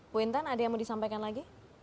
bu intan ada yang mau disampaikan lagi